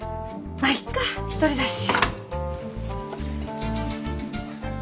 まあいっか一人だし。